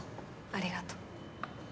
ありがとう。